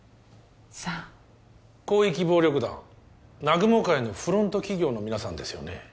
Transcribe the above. さあ広域暴力団南雲会のフロント企業の皆さんですよね